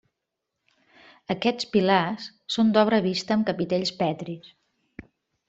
Aquests pilars són d'obra vista amb capitells petris.